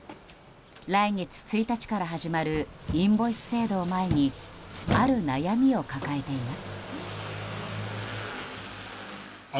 来月１日から始まるインボイス制度を前にある悩みを抱えています。